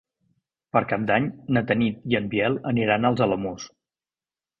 Per Cap d'Any na Tanit i en Biel aniran als Alamús.